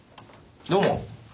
どうも。